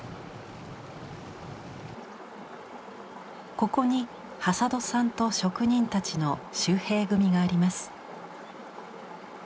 ここに挾土さんと職人たちの秀平組があります。